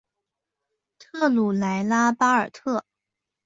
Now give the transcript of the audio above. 特鲁莱拉巴尔特。